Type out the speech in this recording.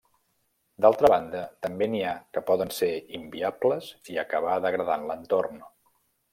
D'altra banda, també n'hi ha que poden ser inviables i acabar degradant l'entorn.